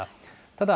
ただ、